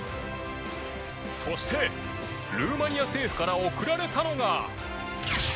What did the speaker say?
そしてルーマニア政府から贈られたのが。